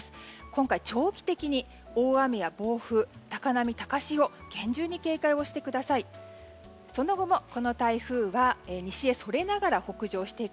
今回、長期的に大雨や防風、高波、高潮に厳重に警戒をしてください。